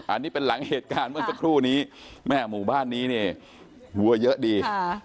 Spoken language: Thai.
อันนี้เป็นหลังเหตุการณ์เมื่อสักครู่นี้แม่หมู่บ้านนี้เนี่ยวัวเยอะดี